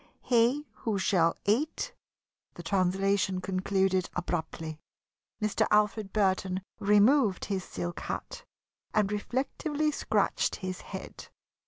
He who shall eat " The translation concluded abruptly. Mr. Alfred Burton removed his silk hat and reflectively scratched his head.